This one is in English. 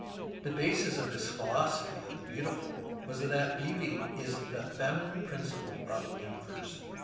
The basis of his philosophy of the Beautiful was that Beauty is the feminine principle of the Universe.